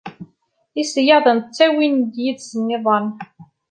Iseyyaden ttawin yid-sen iḍan.